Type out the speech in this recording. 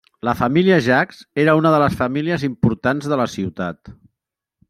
La família Jacques era una de les famílies importants de la ciutat.